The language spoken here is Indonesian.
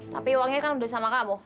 tapi uangnya kan udah sama kamu